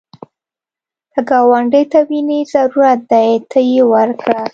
که ګاونډي ته وینې ضرورت دی، ته یې ورکړه